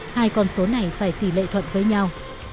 hai con số này phải tỷ lệ thuận với nhau